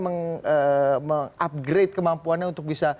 mengupgrade kemampuannya untuk bisa